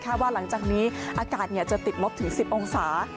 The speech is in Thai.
เพราะว่าหลังจากนี้อากาศเนี่ยจะติดลบถึง๑๐องศา